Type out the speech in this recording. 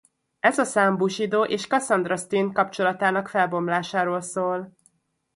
Ez a szám Bushido és Cassandra Steen kapcsolatának felbomlásáról szól.